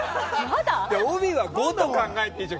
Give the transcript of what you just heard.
帯は５と考えていいでしょう。